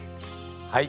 はい。